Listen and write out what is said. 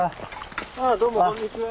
ああどうもこんにちは。